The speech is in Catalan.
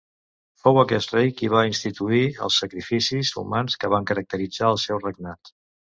Fou aquest rei qui va instituir els sacrificis humans que van caracteritzar el seu regnat.